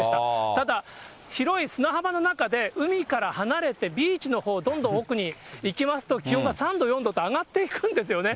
ただ、広い砂浜の中で、海から離れて、ビーチのほうどんどん奥に行きますと、気温が３度、４度と上がっていくんですよね。